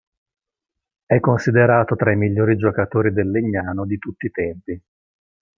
È considerato tra i migliori giocatori del Legnano di tutti i tempi.